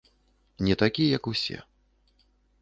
Не такі, як усе.